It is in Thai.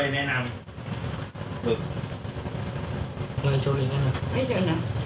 ไม่ชนอ่ะ